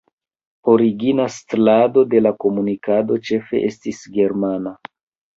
Origina setlado de la komunikado ĉefe estis germana.